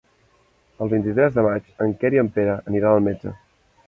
El vint-i-tres de maig en Quer i en Pere aniran al metge.